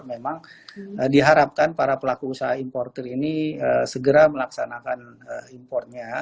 memang diharapkan para pelaku usaha importer ini segera melaksanakan impornya